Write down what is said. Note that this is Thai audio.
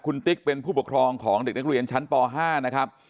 คุณติ๊กเป็นผู้ปกครองของเด็กนักเรียนชั้นป๕นะครับ